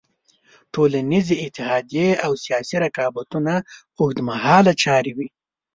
ټولنیزې اتحادیې او سیاسي رقابتونه اوږد مهاله چارې وې.